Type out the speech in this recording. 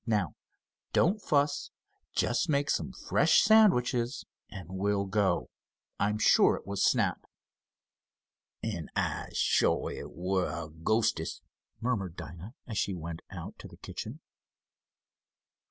Now don't fuss. Just make some fresh sandwiches, and we'll go. I'm sure it was Snap." "And I'se shuah it were a ghostest," murmured Dinah, as she went out to the kitchen.